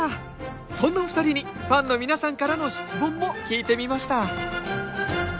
そんなお二人にファンの皆さんからの質問も聞いてみました